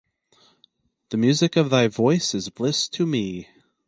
The music of thy voice is bliss to me.